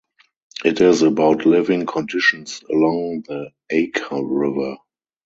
It is about living conditions along the Aker River.